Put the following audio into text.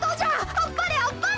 あっぱれあっぱれ！」。